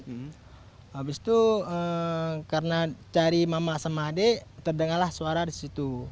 habis itu karena cari mama sama adik terdengarlah suara di situ